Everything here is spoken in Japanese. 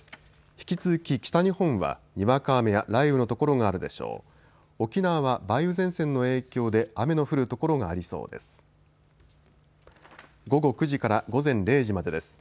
引き続き北日本は、にわか雨や雷雨の所があるでしょう。